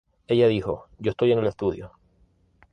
Ella dijo: "Yo estoy en el estudio.